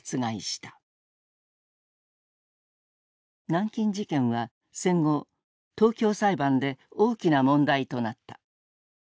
南京事件は戦後東京裁判で大きな問題となった。